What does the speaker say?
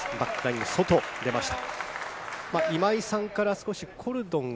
外に出ました。